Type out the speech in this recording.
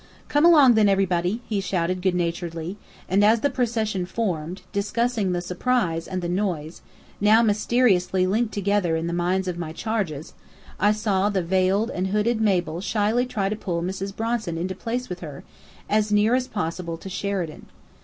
"Come along, then, everybody!" he shouted good naturedly; and as the procession formed discussing the "surprise" and the noise, now mysteriously linked together in the minds of my charges I saw the veiled and hooded Mabel shyly try to pull Mrs. Bronson into place with her, as near as possible to Sheridan.